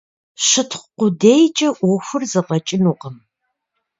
Щытхъу къудейкӀэ Ӏуэхур зэфӀэкӀынукъым.